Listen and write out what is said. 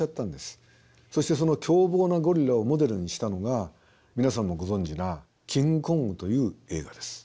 そしてその凶暴なゴリラをモデルにしたのが皆さんもご存じな「キングコング」という映画です。